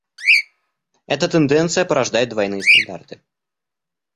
Эта тенденция порождает двойные стандарты.